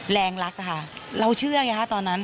แรงรักค่ะเราเชื่อค่ะตอนนั้น